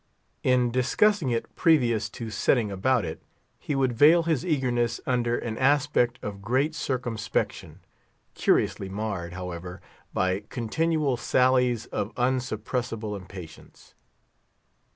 In discussing it previous to setting about it, he would veil his eagerness under an aspect of great circumspection, curiously marred, however, by continual sallies of unsuppressible impatience.